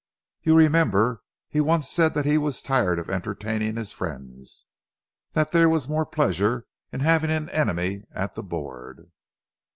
"You remember he once said that he was tired of entertaining his friends that there was more pleasure in having an enemy at the board."